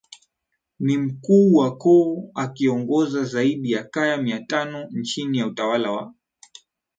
ni Mkuu wa koo akiongoza zaidi ya kaya mia tano chini ya utawala wa